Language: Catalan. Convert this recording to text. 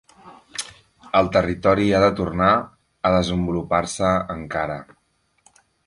El territori ha de tornar a desenvolupar-se encara.